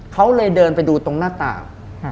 เขาเลยเดินไปดูตรงหน้าต่าง